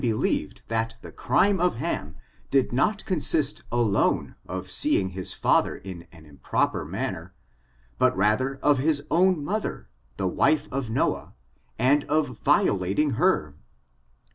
183 believed that the crime of Ham did not consist alone of seeing his father in an improper manner, but rather of his own mother, the wife of Noah, and of violating her.